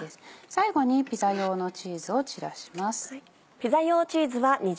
最後にピザ用のチーズを散らします。